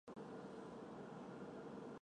这次山火造成了出乎意料的巨大破坏。